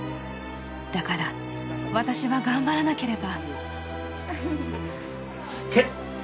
だから私は頑張らなければ。